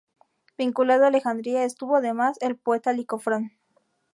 Vinculado a Alejandría estuvo además el poeta Licofrón.